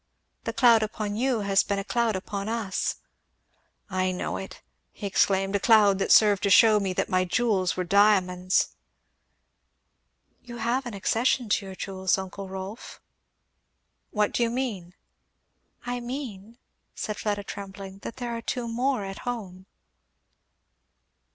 The cloud upon you has been a cloud upon us." "I know it!" he exclaimed, "a cloud that served to shew me that my jewels were diamonds!" "You have an accession to your jewels, uncle Rolf." "What do you mean?" "I mean," said Fleda trembling, "that there are two more at home."